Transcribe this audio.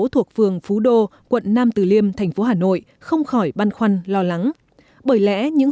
thuộc phường phú đô quận nam từ liêm thành phố hà nội không khỏi băn khoăn lo lắng bởi lẽ những